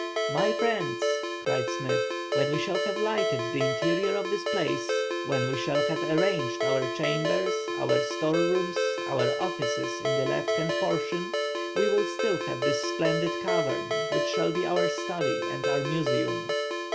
"My friends," cried Smith, "when we shall have lighted the interior of this place, when we shall have arranged our chambers, our store rooms, our offices in the left hand portion, we will still have this splendid cavern, which shall be our study and our museum!